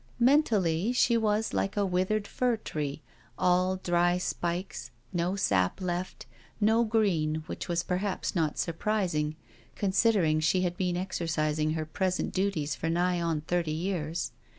Mentally, she was like a withered fir tree, all dry spikes, no sap left, and no green, which was perhaps not surprising, considering she had been exercising her present duties for nigh on thirty years.